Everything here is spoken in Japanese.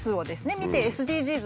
見てＳＤＧｓ